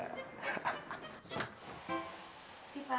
terima kasih pak